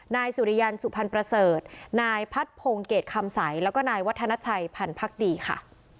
นายสุริยันสุพรรณประเสริฐนายพัดพงศ์เกตคำใสแล้วก็นายวัฒนชัยพันธ์ดีค่ะ